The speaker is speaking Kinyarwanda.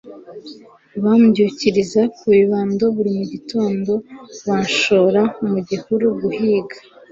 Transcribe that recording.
bambyukiriza ku bibando buri gitondo banshora mu gihuru guhiga